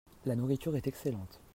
La nourriture est excellente.